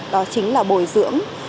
đó chính là bồi dưỡng